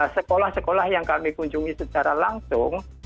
sekolah sekolah yang kami kunjungi secara langsung